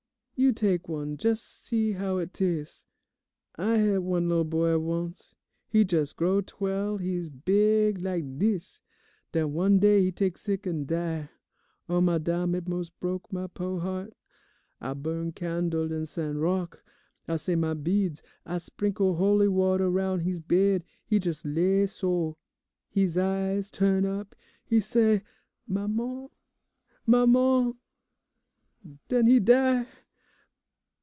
You tak' one, jes' see how it tas'. I had one lil' boy once, he jes' grow 'twell he's big lak' dis, den one day he tak' sick an' die. Oh, madame, it mos' brek my po' heart. I burn candle in St. Rocque, I say my beads, I sprinkle holy water roun' he's bed; he jes' lay so, he's eyes turn up, he say 'Maman, maman,' den he die!